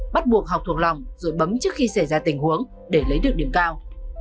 bắt buộc học thuộc lòng rồi bấm trước khi xảy ra tình huống để lấy được điểm cao